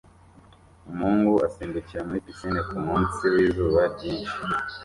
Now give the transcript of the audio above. Umuhungu asimbukira muri pisine kumunsi wizuba ryinshi